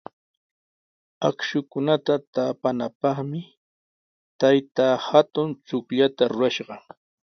Akshuta taapanapaqmi taytaa hatun chukllata rurashqa.